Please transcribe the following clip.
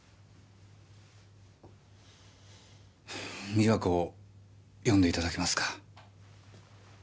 美和子を呼んでいただけますか。